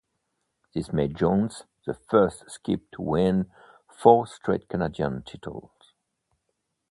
This made Jones the first skip to win four straight Canadian titles.